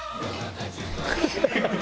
「ハハハハ！